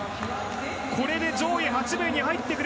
これで上位８名に入ってくる。